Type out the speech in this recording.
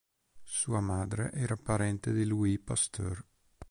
Sua madre era parente di Louis Pasteur.